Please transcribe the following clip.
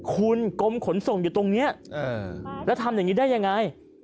คุณกรมขนส่งอยู่ตรงนี้แล้วทำอย่างนี้ได้ยังไง